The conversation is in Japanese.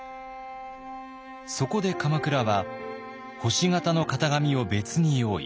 そこで鎌倉は星形の型紙を別に用意。